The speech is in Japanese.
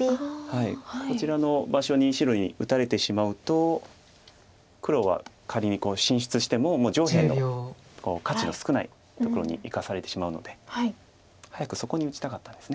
こちらの場所に白に打たれてしまうと黒は仮に進出しても上辺の価値の少ないところにいかされてしまうので早くそこに打ちたかったんです。